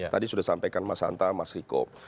tadi sudah sampaikan mas hanta mas riko